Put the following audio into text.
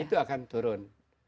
itu akan turun